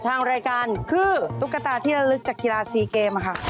เฮ่ยนี่เตี๋ยวโอเค